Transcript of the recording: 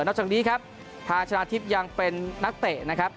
จากนี้ครับทางชนะทิพย์ยังเป็นนักเตะนะครับ